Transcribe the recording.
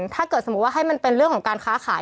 ถ้าเกิดสมมุติว่าให้มันเป็นเรื่องของการค้าขาย